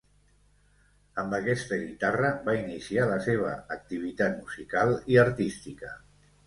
Amb aquesta guitarra va iniciar la seva activitat musical i artística.